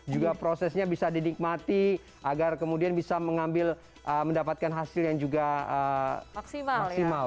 juga prosesnya bisa dinikmati agar kemudian bisa mengambil mendapatkan hasil yang juga maksimal